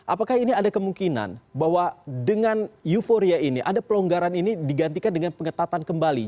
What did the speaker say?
apakah ini ada kemungkinan bahwa dengan euforia ini ada pelonggaran ini digantikan dengan pengetatan kembali